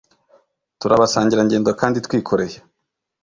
Turi abasangirangendo kandi twikoreye